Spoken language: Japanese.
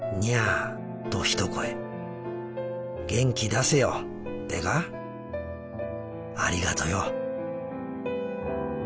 元気出せよってか。ありがとよ」。